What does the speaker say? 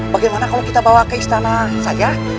bagaimana kalau kita bawa ke istana saja